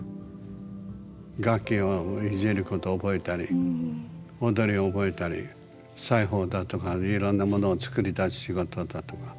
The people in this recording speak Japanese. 楽器をいじること覚えたり踊りを覚えたり裁縫だとかいろんな物を作り出す仕事だとか。